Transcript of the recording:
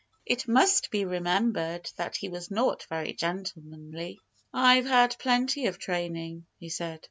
It must be remembered that he was not very gentlemanly. "I've had plenty of training," he said.